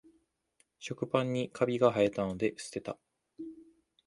食パンにカビがはえたので捨てた